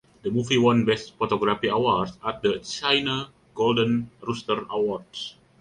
The movie won Best Photography Award at the China Golden Rooster Awards.